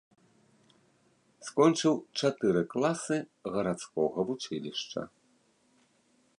Скончыў чатыры класы гарадскога вучылішча.